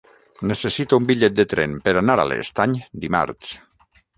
Necessito un bitllet de tren per anar a l'Estany dimarts.